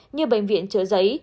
như bệnh viện chở giấy